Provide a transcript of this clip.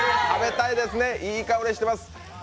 いい香りしてます。